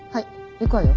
行くわよ。